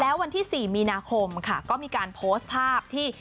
แล้ววันที่๔มีนาคมค่ะก็มีการโพสต์ภาพที่